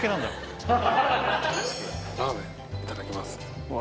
ラーメンいただきますうわ